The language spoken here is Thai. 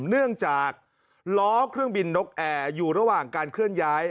เนื่องจากล้อเครื่องบินนกแอร์อยู่ระหว่างการเคลื่อนย้าย